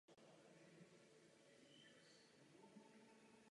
Tento plynovod South Stream je vlastně přesnou kopií projektu Nabucco.